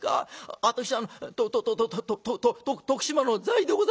私あのとととと徳島の在でございます」。